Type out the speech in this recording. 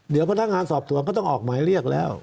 เดี๋ยวพนักงานสอบสวนก็ต้องออกหมายเรียกแล้ว